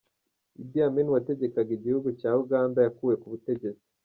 Idi Amin wategekaga igihugu cya Uganda yakuwe ku butegetsi.